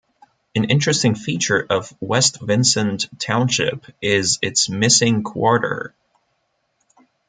An interesting feature of West Vincent Township is its "missing quarter".